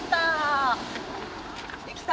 できた！